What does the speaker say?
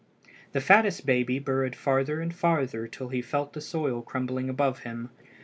The fattest baby burrowed farther and farther till he felt the soil crumbling above him.